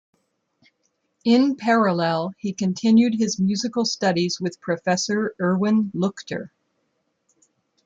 In parallel, he continued his musical studies with Professor Erwin Leuchter.